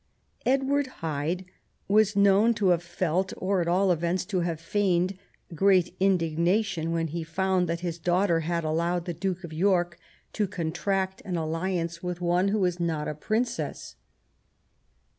Edward Hyde was known to have felt, or at all events to have feigned, great indignation when he found that his daughter had allowed the Duke of York to contract an alliance with one who was not a princess.